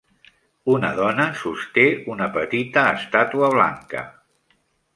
Una dona sosté una petita estàtua blanca.